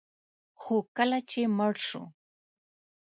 خو کله چې مړ شو